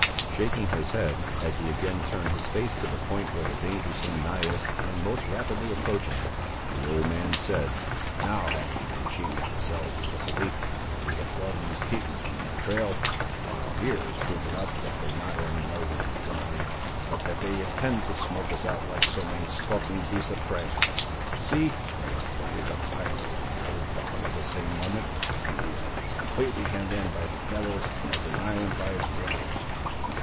Shaking his head, as he again turned his face to the point where the danger seemed nighest and most rapidly approaching, the old man said— "Now have we been cheating ourselves with the belief, that we had thrown these Tetons from our trail, while here is proof enough that they not only know where we lie, but that they intend to smoke us out, like so many skulking beasts of prey. See; they have lighted the fire around the whole bottom at the same moment, and we are as completely hemmed in by the devils as an island by its waters."